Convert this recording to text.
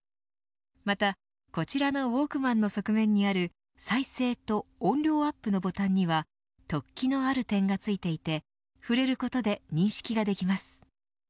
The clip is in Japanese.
また、こちらのウォークマンの側面にある再生と音量アップのボタンには突起のある点が付いていて触れることで認識ができます。